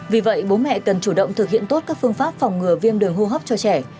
vì vậy bố mẹ cần chủ động thực hiện tốt các phương pháp phòng ngừa viêm đường hô hấp cho trẻ